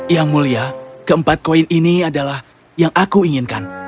yang mulia keempat koin ini adalah yang aku inginkan